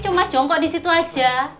cuma jongkok di situ aja